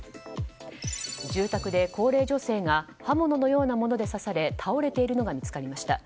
住宅で高齢女性が刃物のようなもので刺され倒れているのが見つかりました。